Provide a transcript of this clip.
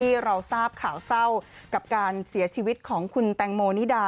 ที่เราทราบข่าวเศร้ากับการเสียชีวิตของคุณแตงโมนิดา